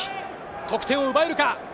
得点を奪えるか。